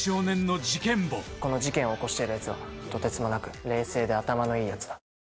この事件を起こしてるヤツはとてつもなく冷静で頭のいいヤツだ。